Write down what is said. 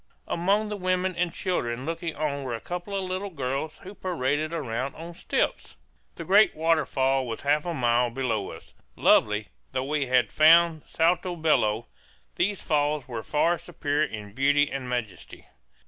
Among the women and children looking on were a couple of little girls who paraded about on stilts. The great waterfall was half a mile below us. Lovely though we had found Salto Bello, these falls were far superior in beauty and majesty.